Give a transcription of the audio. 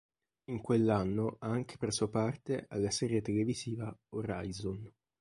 In quell'anno ha anche preso parte alla serie televisiva "Horizon".